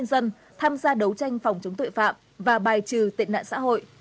công an chính quy đã đặt tên dân tham gia đấu tranh phòng chống tội phạm và bài trừ tệ nạn xã hội